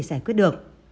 giải quyết được